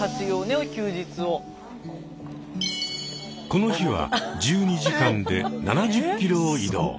この日は１２時間で７０キロを移動。